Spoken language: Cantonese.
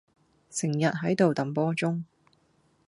成日係度揼波鐘